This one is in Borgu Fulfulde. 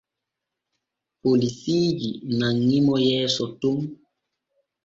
Polisiiji nanŋi mo yeeso ton.